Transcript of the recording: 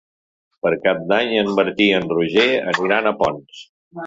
Per Cap d'Any en Martí i en Roger aniran a Ponts.